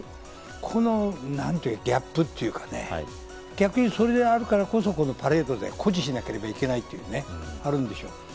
このギャップというかね、逆にそれであるからこそ、パレードで誇示しなければいけないというね、それがあるんでしょう。